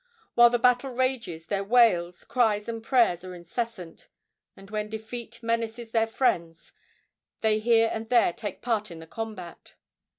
While the battle rages their wails, cries and prayers are incessant, and when defeat menaces their friends they here and there take part in the combat.